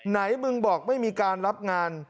มึงบอกไม่มีการรับงาน